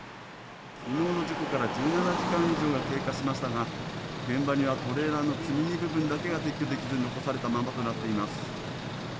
きのうの事故から１７時間以上が経過しましたが、現場にはトレーラーの積み荷部分だけが撤去できずに残されたままになっています。